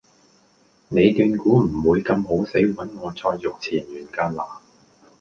你斷估唔會咁好死搵我再續前緣架喇?